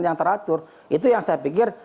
yang teratur itu yang saya pikir